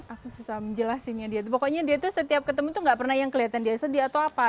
aku susah menjelasinnya dia itu pokoknya dia itu setiap ketemu itu tidak pernah yang kelihatan dia sedia atau apa